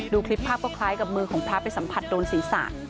ดูคลิปภาพก็คล้ายกับมือของพระไปสัมผัสโดนศีรษะ